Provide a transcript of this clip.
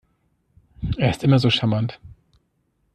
Er ist immer so charmant.